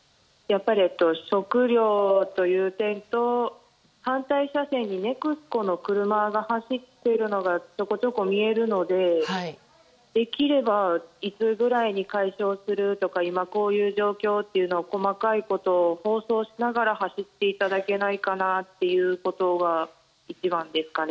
食料という点と反対車線にＮＥＸＣＯの車が走っているのがちょこちょこ見えるのでできれば、いつぐらいに解消するとか今こういう状況とか細かいことを放送しながら走っていただけないかなということが一番ですかね。